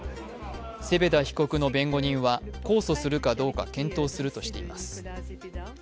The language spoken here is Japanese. セペダ被告の弁護人は控訴するかどうか検討するとしています。